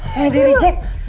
jangan di reject